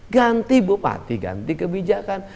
ganti bupati ganti kebijakan